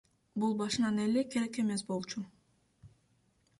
Бул башынан эле керек эмес болчу.